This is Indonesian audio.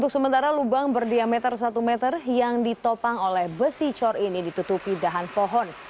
sementara lubang berdiameter satu meter yang ditopang oleh besi cor ini ditutupi dahan pohon